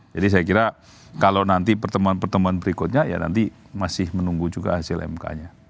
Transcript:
jadi saya kira kalau nanti pertemuan pertemuan berikutnya ya nanti masih menunggu juga hasil mk nya